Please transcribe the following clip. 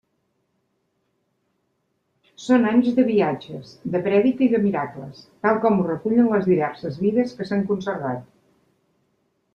Són anys de viatges, de prèdica i de miracles, tal com ho recullen les diverses vides que s'han conservat.